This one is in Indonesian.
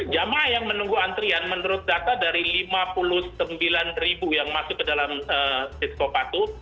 jamaah yang menunggu antrian menurut data dari lima puluh sembilan ribu yang masuk ke dalam diskopatu